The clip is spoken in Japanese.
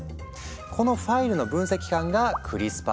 このファイルの分析官が「クリスパーＲＮＡ」。